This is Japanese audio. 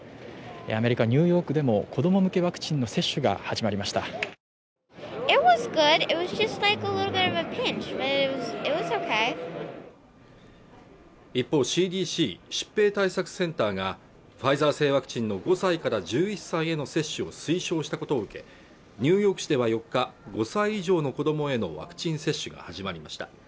アメリカニューヨークでも子ども向けワクチンの接種が始まりました一方ＣＤＣ＝疾病対策センターがファイザー製ワクチンの５歳から１１歳への接種を推奨したことを受けニューヨーク市では４日５歳以上の子どもへのワクチン接種が始まりました